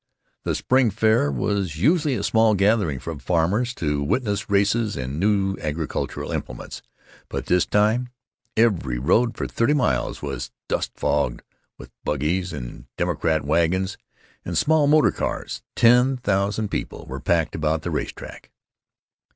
The spring fair was usually a small gathering of farmers to witness races and new agricultural implements, but this time every road for thirty five miles was dust fogged with buggies and democrat wagons and small motor cars. Ten thousand people were packed about the race track.